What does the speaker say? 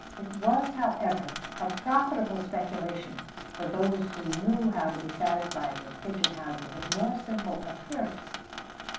It was, however, a profitable speculation for those who knew how to be satisfied with pigeon houses of more simple appearance.